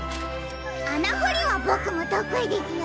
あなほりはボクもとくいですよ！